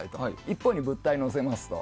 一方に物体をのせます。